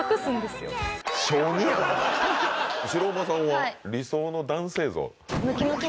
白間さんは理想の男性像？